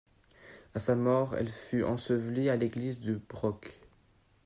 À sa mort, elle fut ensevelie à l'église de Broc.